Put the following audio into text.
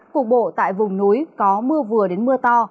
cục bộ tại vùng núi có mưa vừa đến mưa to